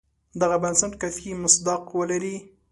دغه بنسټ کافي مصداق ولري.